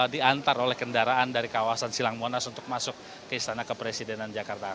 diantar oleh kendaraan dari kawasan silang monas untuk masuk ke istana kepresidenan jakarta